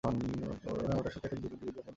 হ্যাঁ, ওটা সত্যিই একটা দুর্দান্ত বিজ্ঞাপন ছিলো।